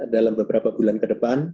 dalam beberapa bulan ke depan